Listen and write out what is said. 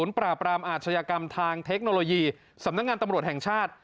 หมดมาสักครู่นี้เป็นการแอบอ้างชื่อตำรวจครับ